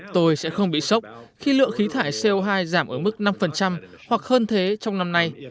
tôi sẽ không bị sốc khi lượng khí thải co hai giảm ở mức năm hoặc hơn thế trong năm nay